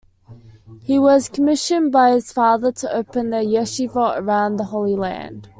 He was commissioned by his father to open yeshivot around the Holy Land.